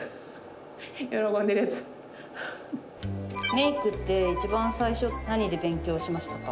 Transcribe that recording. メイクって一番最初って何で勉強しましたか？